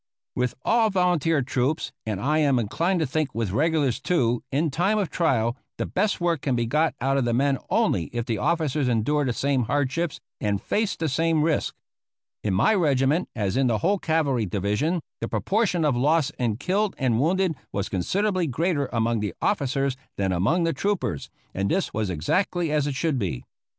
With all volunteer troops, and I am inclined to think with regulars, too, in time of trial, the best work can be got out of the men only if the officers endure the same hardships and face the same risks. In my regiment, as in the whole cavalry division, the proportion of loss in killed and wounded was considerably greater among the officers than among the troopers, and this was exactly as it should be.